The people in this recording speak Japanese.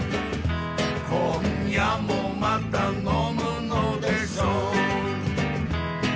「今夜もまた呑むのでしょう」